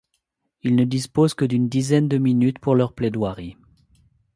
Ils ne disposent que d'une dizaine de minutes pour leur plaidoirie.